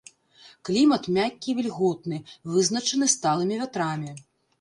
Клімат мяккі вільготны, вызначаны сталымі вятрамі.